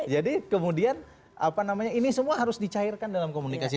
jadi kemudian ini semua harus dicairkan dalam komunikasi